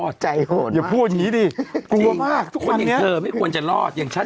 ดูมีขีดขั้นด้วย